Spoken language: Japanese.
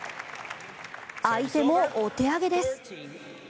相手もお手上げです。